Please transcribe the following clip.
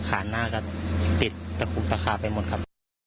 ขาหน้าก็ติดตะขุบตะขาไปหมดครับ